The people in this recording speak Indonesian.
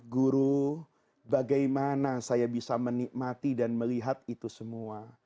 guru bagaimana saya bisa menikmati dan melihat itu semua